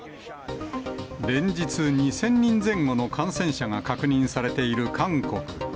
連日、２０００人前後の感染者が確認されている韓国。